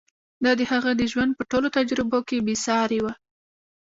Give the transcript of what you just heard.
دا د هغه د ژوند په ټولو تجربو کې بې سارې وه.